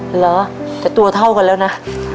เหรอแต่ตัวเท่ากันแล้วนะ